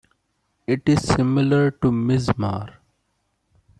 It is similar to the mizmar.